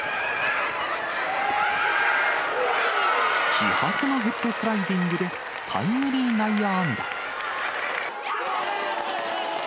気迫のヘッドスライディングでタイムリー内野安打。